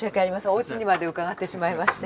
おうちにまで伺ってしまいまして。